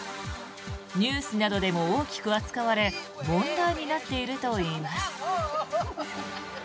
ニュースなどでも大きく扱われ問題になっているといいます。